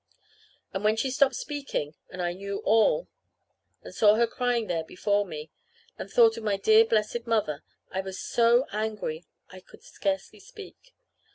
And when she stopped speaking, and I knew all, and saw her crying there before me, and thought of my dear blessed mother, I was so angry I could scarcely speak.